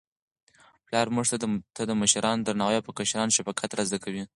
پلار موږ ته د مشرانو درناوی او په کشرانو شفقت را زده کوي.